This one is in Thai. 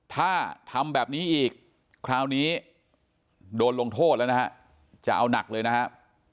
ถ้าทำแบบนี้อีกคราวนี้โดนลงโทษแล้วนะฮะจะเอาหนักเลยนะครับ